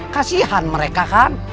kasihan mereka kan